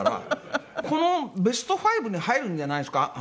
このベスト５に入るんじゃないですか？